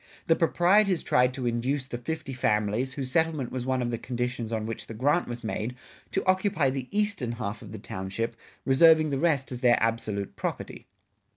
The proprietors tried to induce the fifty families, whose settlement was one of the conditions on which the grant was made, to occupy the eastern half of the township reserving the rest as their absolute property.